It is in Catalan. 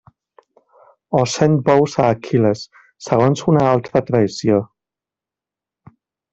O cent bous a Aquil·les, segons una altra tradició.